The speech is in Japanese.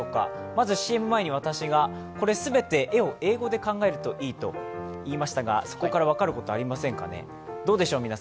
まずＣＭ前に私が、これ、全て絵を英語で考えるといいと言いましたが、そこから分かることありませんかね？